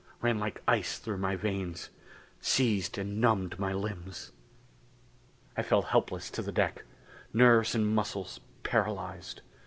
Ran like ice through my veins. Seized and numbed my limbs. I fell helpless to the deck. Nerves and muscles paralyzed.